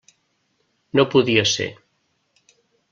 No podia ser.